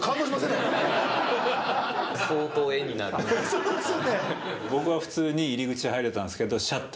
そうですよね。